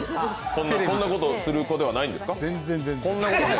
こんなことする子ではないんですか？